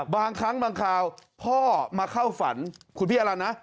บางครั้งบางคราวพ่อมาเข้าฝันคุณพี่อรันทร์นะ